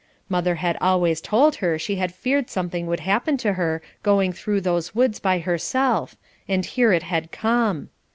Mother had always told her she had feared something would happen to her going through those woods by herself, and here it had come.